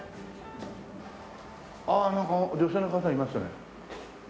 ああなんか女性の方いましたね。